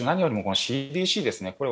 そして何よりもＣＤＣですね、。